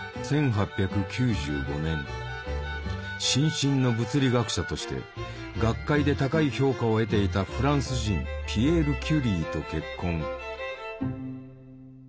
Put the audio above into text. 新進の物理学者として学会で高い評価を得ていたフランス人ピエール・キュリーと結婚。